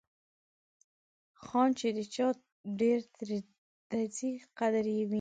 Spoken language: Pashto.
خان چې د چا دیرې ته ځي قدر یې وینه.